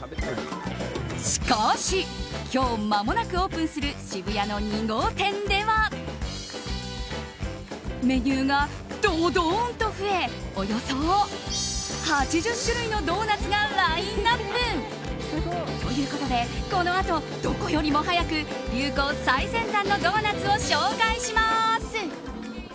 しかし、今日まもなくオープンする渋谷の２号店ではメニューが、どどんと増えおよそ８０種類のドーナツがラインアップ。ということで、このあとどこよりも早く流行最先端のドーナツを紹介します！